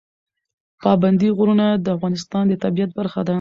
پابندی غرونه د افغانستان د طبیعت برخه ده.